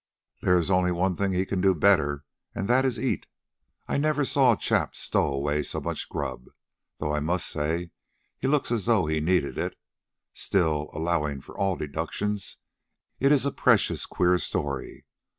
There is only one thing he can do better, and that is eat. I never saw a chap stow away so much grub, though I must say that he looks as though he needed it. Still, allowing for all deductions, it is a precious queer story.